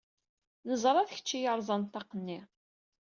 Neẓra d kečč i yerẓan ṭṭaq-nni.